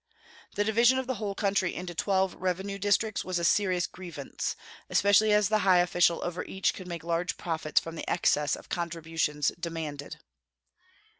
"The division of the whole country into twelve revenue districts was a serious grievance, especially as the high official over each could make large profits from the excess of contributions demanded."